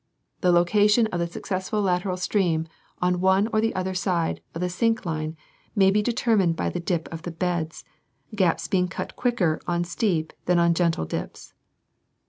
The location of the successful lateral stream on one or the other side of the syncline may be Fig. 11. Fig. 12. Fig. 13. determined by the dip of the beds, gaps being cut quicker on steep than on gentle dips.